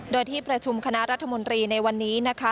โดยที่ประชุมคณะรัฐมนตรีในวันนี้นะคะ